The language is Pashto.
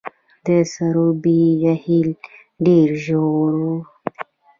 د سروبي جهیل ډیر ژور دی